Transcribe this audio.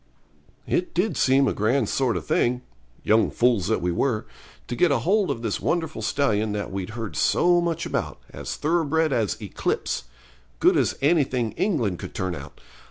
It did seem a grand sort of thing young fools that we were to get hold of this wonderful stallion that we'd heard so much of, as thoroughbred as Eclipse; good as anything England could turn out.